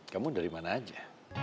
kamu dari mana aja